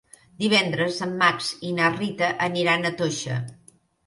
Divendres en Max i na Rita aniran a Toixa.